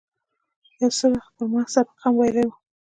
یو څه وخت یې پر ما سبق هم ویلی و.